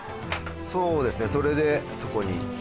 そうですねそれでそこに。